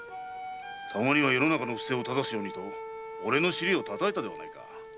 「たまには世の中の不正を糺すように」と俺の尻を叩いたではないか。